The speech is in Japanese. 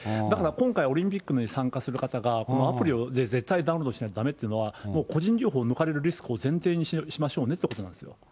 だから今回、オリンピックに参加する方が、このアプリを絶対ダウンロードしないとだめっていうのは、もう個人情報を抜かれるリスクを前提にしましょうねってことなんですよ。